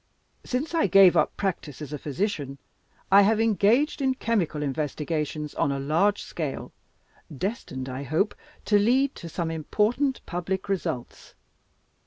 Since I gave up practice as a physician, I have engaged in chemical investigations on a large scale, destined I hope, to lead to some important public results.